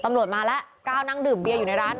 ตำรวจมาแล้วก้าวนั่งดื่มเบียร์อยู่ในร้าน